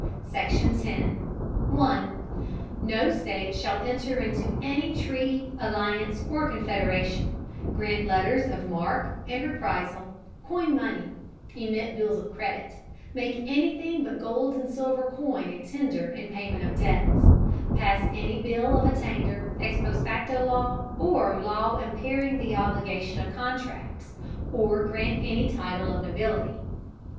SECTION. 10. No State shall enter into any Treaty, Alliance, or Confederation; grant Letters of Marque and Reprisal; coin Money; emit Bills of Credit; make any Thing but gold and silver Coin a Tender in Payment of Debts; pass any Bill of Attainder, ex post facto Law, or Law impairing the Obligation of Contracts, or grant any Title of Nobility.